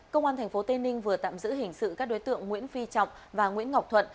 công an tp tây ninh vừa tạm giữ hình sự các đối tượng nguyễn phi trọng và nguyễn ngọc thuận